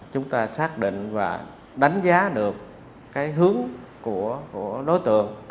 chúng ta xác định và đánh giá được cái hướng của đối tượng